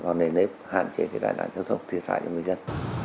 vào nền nếp hạn chế cái tai nạn giao thông thiệt xảy cho người dân